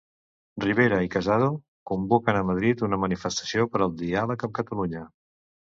Rivera i Casado convoquen a Madrid una manifestació per al diàleg amb Catalunya.